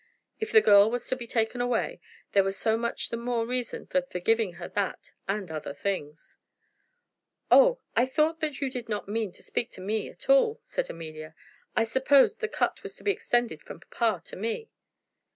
If the girl was to be taken away, there was so much the more reason for forgiving her that and other things. "Oh! I thought that you did not mean to speak to me at all," said Amelia. "I supposed the cut was to be extended from papa to me."